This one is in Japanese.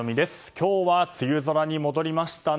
今日は梅雨空に戻りましたね。